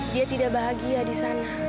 dia tidak bahagia di sana